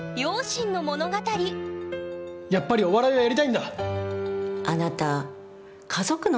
やっぱりお笑いをやりたいんだ！